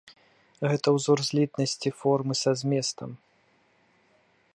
Гэта ўзор злітнасці формы са зместам.